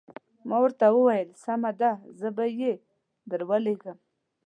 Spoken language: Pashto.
ما ورته وویل سمه ده زه به یې درولېږم.